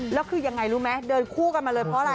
แล้วคือยังไงรู้ไหมเดินคู่กันมาเลยเพราะอะไร